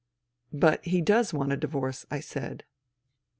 "But he does want a divorce," I said.